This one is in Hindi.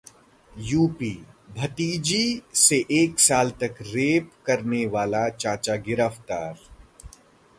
यूपीः भतीजी से एक साल तक रेप करने वाला चाचा गिरफ्तार